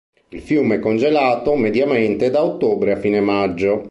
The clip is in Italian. Il fiume è congelato, mediamente, da ottobre a fine maggio.